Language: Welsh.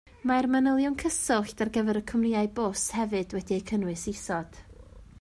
Mae'r manylion cyswllt ar gyfer y cwmnïau bws hefyd wedi eu cynnwys isod